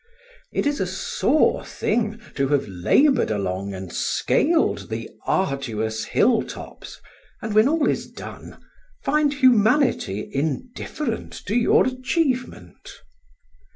It is a sore thing to have laboured along and scaled the arduous hilltops, and when all is done, find humanity indifferent to your achievement.